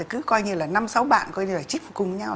cứ coi như là năm sáu bạn coi như là trích cùng nhau